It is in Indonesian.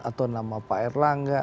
atau nama pak erlangga